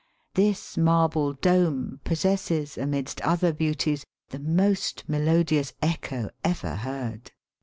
This marble dome possesses amidst other beauties the most melodious echo ever heard.